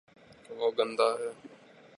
وہ گندا ہے